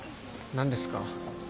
何ですか？